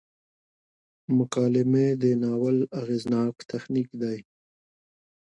مکالمې د ناول اغیزناک تخنیک دی.